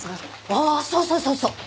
あっそうそうそうそう。